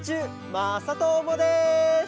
まさともです！